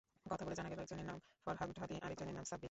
কথা বলে জানা গেল, একজনের নাম ফরহাদ ঢালী, আরেক জনের নাম সাব্বির।